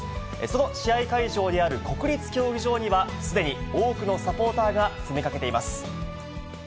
その試合会場である国立競技場には、すでに多くのサポーターが詰めかけています。